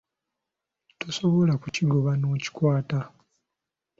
Tosobola kukigoba n’okikwata.